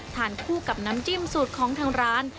ทานคู่กับน้ำจิ้มสูตรของทางร้าน